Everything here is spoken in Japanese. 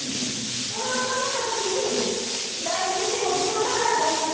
それを考えたときに第２子も無償化なら第３子